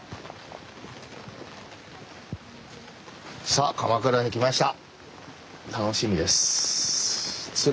さあ鎌倉に来ました。